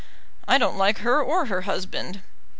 "I don't like her, or her husband."